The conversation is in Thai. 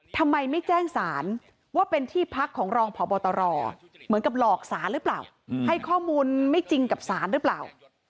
ทำไมไม่แจ้งสารว่าเป็นที่พักของรองพบตรเหมือนกับหลอกสารหรือเปล่าให้ข้อมูลไม่จริงกับศาลหรือเปล่า